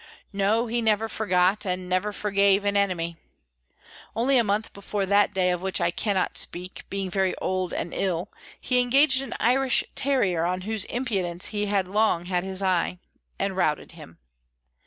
No, he never forgot, and never forgave, an enemy. Only a month before that day of which I cannot speak, being very old and ill, he engaged an Irish terrier on whose impudence he had long had his eye, and routed him.